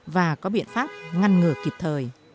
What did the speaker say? và có biện pháp ngăn ngừa kịp thời